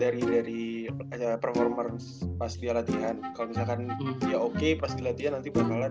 jadi kalau misalnya dilihat dari performance pas dia latihan kalau misalkan dia oke pas dia latihan nanti bakalan